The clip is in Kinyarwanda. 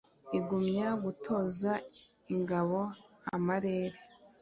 Igumya gutoza ingabo amarere